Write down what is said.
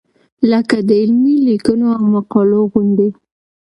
لکه د علمي لیکنو او مقالو غوندې.